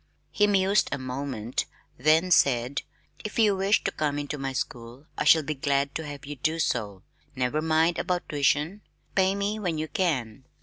He mused a moment, then said, "If you wish to come into my school I shall be glad to have you do so. Never mind about tuition, pay me when you can."